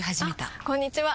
あこんにちは！